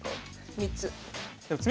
３つ。